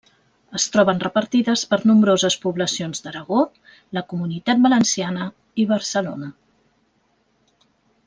Es troben repartides per nombroses poblacions d'Aragó, la comunitat valenciana i Barcelona.